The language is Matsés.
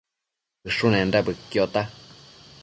Bëshunenda bëquiota